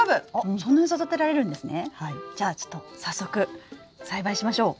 じゃあちょっと早速栽培しましょう！